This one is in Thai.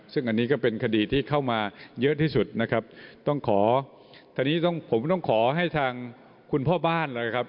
ซึ่งอันนี้ก็เป็นคดีที่เข้ามาเยอะที่สุดนะครับต้องขอตอนนี้ต้องผมต้องขอให้ทางคุณพ่อบ้านนะครับ